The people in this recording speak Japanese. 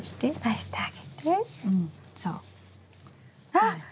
あっ！